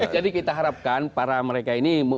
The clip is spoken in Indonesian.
jadi kita harapkan para mereka ini